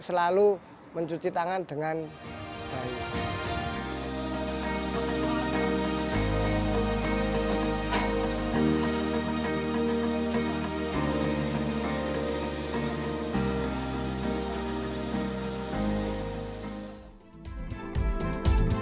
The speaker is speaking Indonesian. selalu mencuci tangan dengan baik